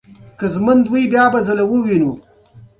افغانستان کې سیلابونه د خلکو د خوښې وړ ځای دی.